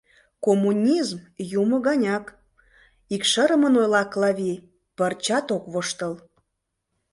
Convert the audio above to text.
— Коммунизм — юмо ганяк, — икшырымын ойла Клави, пырчат ок воштыл.